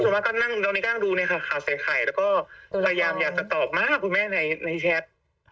ส่วนมากก็นั่งตอนนี้ก็นั่งดูในข่าวใส่ไข่แล้วก็พยายามอยากจะตอบมากคุณแม่ในแชท